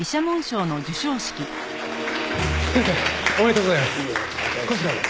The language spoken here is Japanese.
先生おめでとうございます。